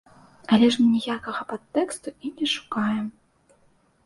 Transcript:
Але ж мы ніякага падтэксту і не шукаем!